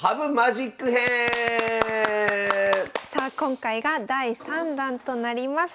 今回が第３弾となります。